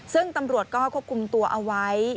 ซึ่งตำรวจก็ควบคุมตัวเอาไว้